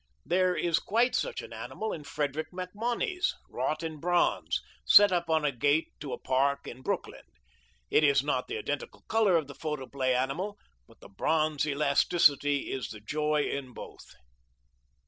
There is quite such an animal by Frederick MacMonnies, wrought in bronze, set up on a gate to a park in Brooklyn. It is not the identical color of the photoplay animal, but the bronze elasticity is the joy in both.